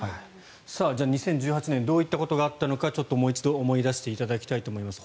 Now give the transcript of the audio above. じゃあ、２０１８年どういったことがあったのかちょっともう一度思い出していただきたいと思います。